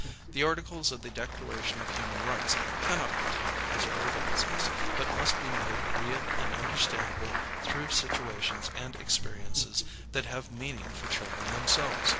The Articles of the Declaration of Human Rights cannot be taught as verbalisms, but must be made real and understandable through situations and experiences that have meaning for children themselves.